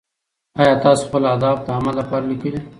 ایا تاسو خپل اهداف د عمل لپاره لیکلي؟